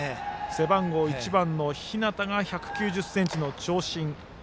背番号１番の日當が１９０ｃｍの長身。